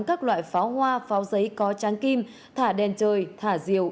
các loại pháo hoa pháo giấy có trắng kim thả đèn trời thả diều